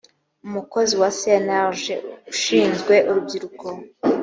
umukozi wa cnlg ushinzwe urubyiruko